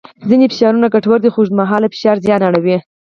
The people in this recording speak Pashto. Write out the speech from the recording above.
ځینې فشارونه ګټور دي خو اوږدمهاله فشار زیان اړوي.